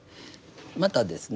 またですね